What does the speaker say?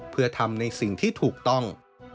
เพื่อทำในสิ่งที่ถูกต้อง